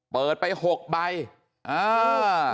เปิดไป๖ใบอ้าว